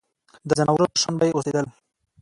د ځناورو په شان به یې اوسېدل.